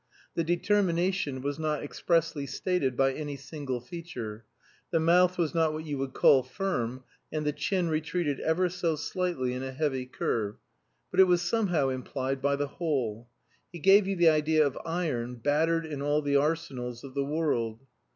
The determination was not expressly stated by any single feature the mouth was not what you would call firm, and the chin retreated ever so slightly in a heavy curve but it was somehow implied by the whole. He gave you the idea of iron battered in all the arsenals of the world.